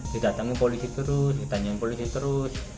didatangi polisi terus ditanyain polisi terus